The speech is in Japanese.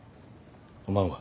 おまんは？